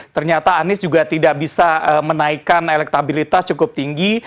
ternyata anies juga tidak bisa menaikkan elektabilitas cukup tinggi